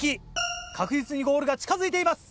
確実にゴールが近づいています！